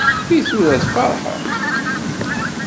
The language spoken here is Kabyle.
I tura tfarḥem?